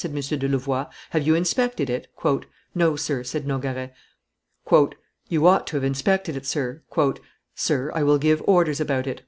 de Louvois: "have you inspected it?" "No, sir," said Nogaret. "You ought to have inspected it, sir." "Sir, I will give orders about it."